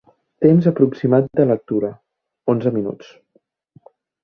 Temps aproximat de lectura: onze minuts.